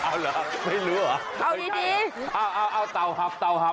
เอาเหรอไม่รู้เหรอเอาเอาเต่าหับเต่าหับ